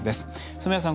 染矢さん